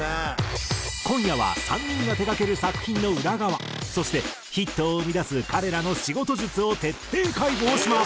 今夜は３人が手がける作品の裏側そしてヒットを生み出す彼らの仕事術を徹底解剖します。